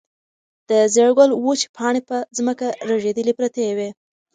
د زېړ ګل وچې پاڼې په ځمکه رژېدلې پرتې وې.